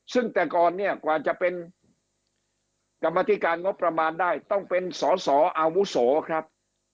ซึ่งแต่ก่อนเนี่ยกว่าจะเป็นกรรมธิการงบประมาณได้ต้องเป็นสอสออาวุโสครับ